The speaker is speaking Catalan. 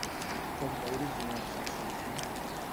Com va originar-se el seu fill?